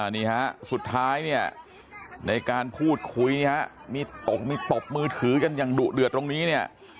นี่ฮะสุดท้ายเนี่ยในการพูดคุยมีตกมีตบมือถือกันอย่างดุเดือดตรงนี้เนี่ย